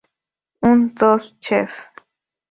Un, dos, ¡chef!